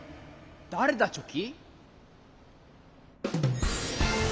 だれだチョキ？